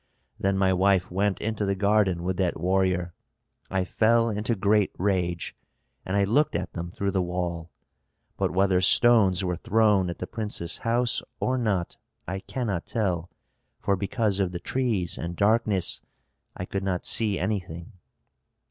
Then my wife went into the garden with that warrior. I fell into great rage, and I looked at them through the wall. But whether stones were thrown at the prince's house or not I cannot tell, for because of the trees and darkness I could not see anything."